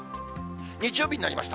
日曜日になりました。